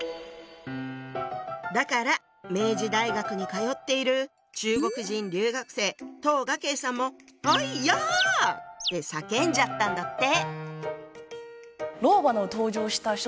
だから明治大学に通っている中国人留学生董雅馨さんもアイヤッて叫んじゃったんだって！